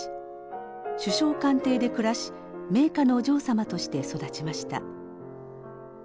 首相官邸で暮らし名家のお嬢様として育ちました。